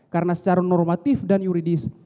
karena secara normatif dan yuridis